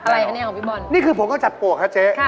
อะไรคะเนี่ยของพี่บอลนี่คือผมก็จับปวกครับเจ๊